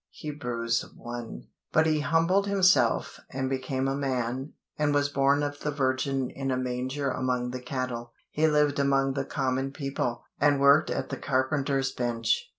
Hebrews i.). But He humbled Himself, and became man, and was born of the Virgin in a manger among the cattle. He lived among the common people, and worked at the carpenter's bench.